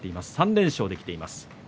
３連勝できています。